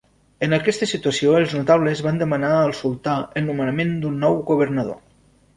En aquesta situació els notables van demanar al sultà el nomenament d'un nou governador.